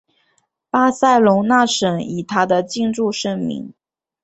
巴塞隆纳省以它的建筑盛名。